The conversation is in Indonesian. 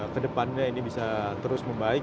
kedepannya ini bisa terus membaik